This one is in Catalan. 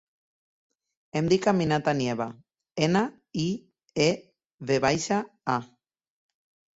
Em dic Aminata Nieva: ena, i, e, ve baixa, a.